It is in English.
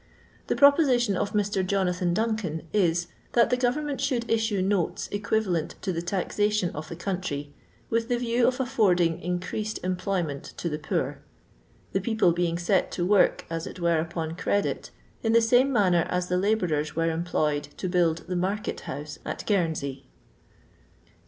The pro position of Mr. Jonathan Duncan is, that the government should issue notes equiva lent to the taxation of the country, with the view of affording increased employment to the poor; the people being set to work as it were upon credit, in the same manner as the labourers were employed to build the market house at Guernsey.